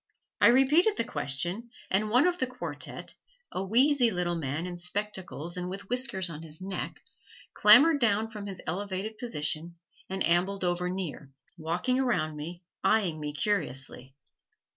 I repeated the question and one of the quartette, a wheezy little old man in spectacles and with whiskers on his neck, clambered down from his elevated position and ambled over near, walking around me, eying me curiously.